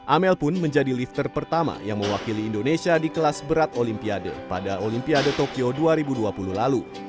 amel pun menjadi lifter pertama yang mewakili indonesia di kelas berat olimpiade pada olimpiade tokyo dua ribu dua puluh lalu